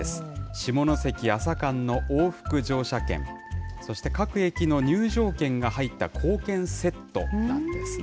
下関・厚狭間の往復乗車券、そして各駅の入場券が入った硬券セットなんですね。